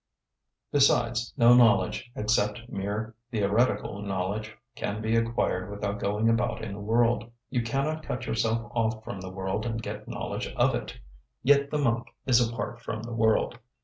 Besides, no knowledge, except mere theoretical knowledge, can be acquired without going about in the world. You cannot cut yourself off from the world and get knowledge of it. Yet the monk is apart from the world.